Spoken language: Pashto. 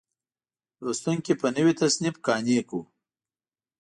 لوستونکي په نوي تصنیف قانع کړو.